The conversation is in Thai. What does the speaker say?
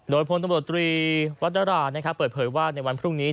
โดยพลตำรวจตรีวัตราเปิดเผยว่าในวันพรุ่งนี้